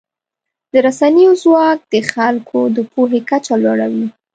د رسنیو ځواک د خلکو د پوهې کچه لوړوي.